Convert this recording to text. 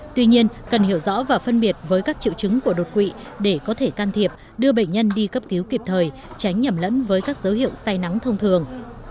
tuy nhiên cần hiểu rõ và phân biệt với các triệu chứng của đột quỵ để có thể can thiệp đưa bệnh nhân đi cấp cứu kịp thời tránh nhầm lẫn với các dấu hiệu say nắng thông thường